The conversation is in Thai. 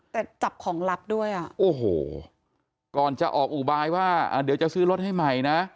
แต่จับของลับด้วยอ่ะโอ้โหก่อนจะออกอุบายว่าเดี๋ยวจะซื้อรถให้ใหม่นะ